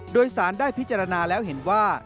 โดยสารได้พิจารณาแล้วเห็นว่า